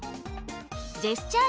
ジェスチャー